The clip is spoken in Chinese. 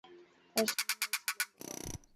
但是因为时间不够